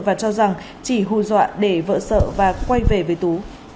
và cho rằng chỉ hù dọa để vợ sợ và quay về với tú